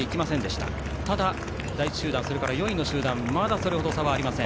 ただ第１集団それから４位集団はまだ、それ程差はありません。